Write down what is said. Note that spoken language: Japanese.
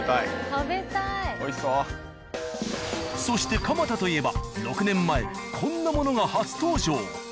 そして蒲田といえば６年前こんなものが初登場。